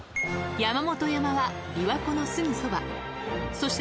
山本山は琵琶湖のすぐそばそして